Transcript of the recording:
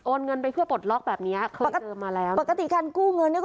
เงินไปเพื่อปลดล็อกแบบเนี้ยคือปกติมาแล้วปกติการกู้เงินเนี้ยก็